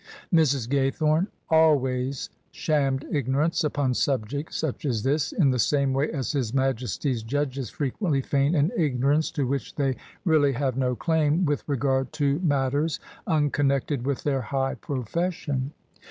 " Mrs. Gaythome always shammed ignorance upon subjects such as this, in the same way as His Majesty's Judges frequently feign an ignorance, to which they really have no claim, with regard to matters unconnected with their high profession.